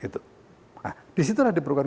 nah disitulah diperlukan